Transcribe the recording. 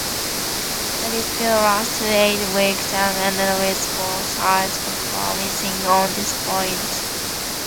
The dispute lasted eight weeks and ended with both sides compromising on this point.